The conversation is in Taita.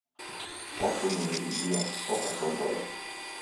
Wakunua irindia, oka shongolo.